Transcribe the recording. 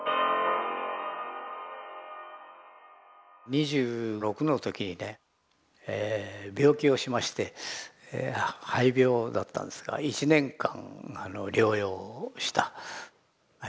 ２６の時にね病気をしまして肺病だったんですが１年間療養した。